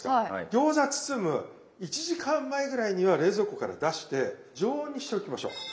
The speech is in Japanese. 餃子包む１時間前ぐらいには冷蔵庫から出して常温にしておきましょう。